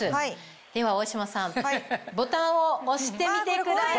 では大島さんボタンを押してみてください。